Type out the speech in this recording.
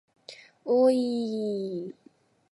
おおおいいいいいい